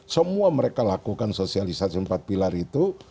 semua mereka lakukan sosialisasi empat pilar itu